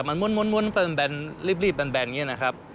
มันม้วนรีบแบนอย่างนี้นะครับ